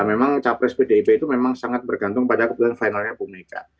memang capres pdip itu memang sangat bergantung pada kebetulan finalnya bu mega